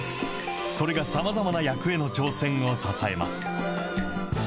それがさまざまな役への挑戦を支えます。